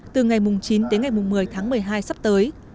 từ ngày chín đến ngày một mươi tháng một mươi hai sắp tới